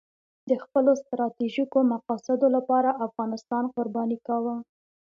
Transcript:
د خپلو ستراتیژیکو مقاصدو لپاره افغانستان قرباني کاوه.